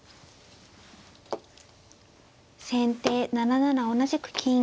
先手７七同じく金。